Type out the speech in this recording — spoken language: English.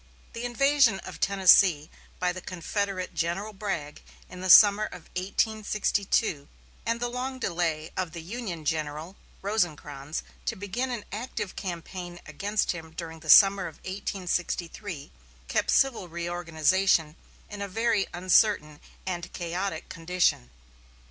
The invasion of Tennessee by the Confederate General Bragg in the summer of 1862, and the long delay of the Union General Rosecrans to begin an active campaign against him during the summer of 1863, kept civil reorganization in a very uncertain and chaotic condition.